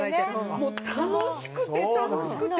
もう楽しくて楽しくて。